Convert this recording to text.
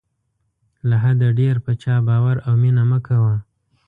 له حده ډېر په چا باور او مینه مه کوه.